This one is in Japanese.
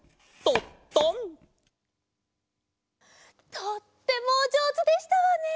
とってもおじょうずでしたわね。